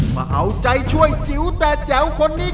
มาเอาใจช่วยจิ๋วแต่แจ๋วคนนี้